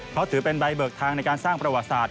เพราะถือเป็นใบเบิกทางในการสร้างประวัติศาสต